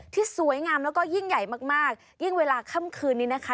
ที่สวยงามแล้วก็ยิ่งใหญ่มากมากยิ่งเวลาค่ำคืนนี้นะคะ